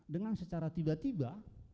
dengan secara tiba tiba